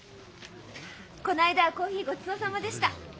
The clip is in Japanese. この間はコーヒーごちそうさまでした。